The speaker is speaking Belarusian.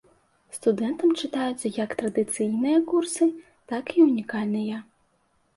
Студэнтам чытаюцца як традыцыйныя курсы, так і ўнікальныя.